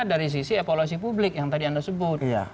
dari sisi evaluasi publik yang tadi anda sebut